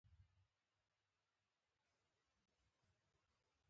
دا کار به زما لپاره اسانه وي